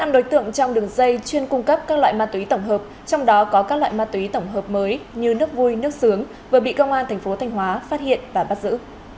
năm đối tượng trong đường dây chuyên cung cấp các loại ma túy tổng hợp trong đó có các loại ma túy tổng hợp mới như nước vui nước sướng vừa bị công an thành phố thanh hóa phát hiện và bắt giữ